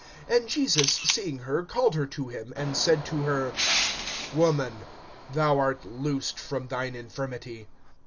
(12)And Jesus seeing her, called her to him, and said to her: Woman, thou art loosed from thine infirmity.